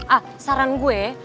ah saran gue